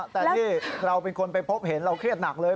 แต่ที่เราเป็นคนไปพบเห็นเราเครียดหนักเลย